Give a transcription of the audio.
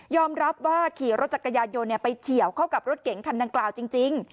รับว่าขี่รถจักรยานยนต์ไปเฉียวเข้ากับรถเก๋งคันดังกล่าวจริง